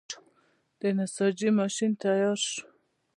د نساجۍ ماشین تیار شو.